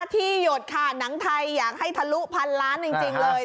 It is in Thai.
ที่หยดค่ะหนังไทยอยากให้ทะลุพันล้านจริงเลย